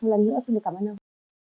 lần nữa xin cảm ơn ông